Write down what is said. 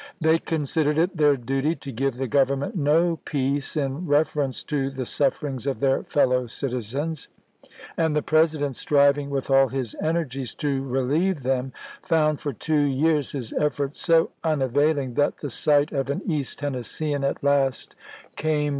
They considered it their duty to give the Government no peace in reference to the sufferings of their f eUow citizens ; and the Presi dent, striving with all his energies to relieve them, found for two years his efforts so unavailing that the sight of an East Tennesseean at last came to iiiiii!